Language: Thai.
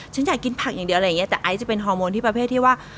ฉันอยากกินผักอย่างเดียวอะไรอย่างเงี้แต่ไอซ์จะเป็นฮอร์โมนที่ประเภทที่ว่า